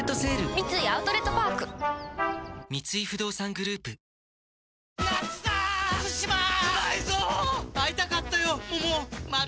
三井アウトレットパーク三井不動産グループはぁはぁはぁ